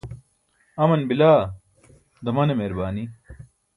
aman bila, damane meerbaani